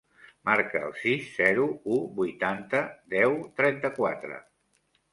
Marca el sis, zero, u, vuitanta, deu, trenta-quatre.